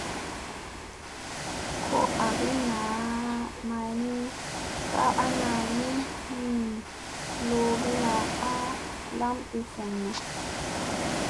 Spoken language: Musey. Ko agi naa may ni ,kay ana mi min loʼogina a lam ɓivunna.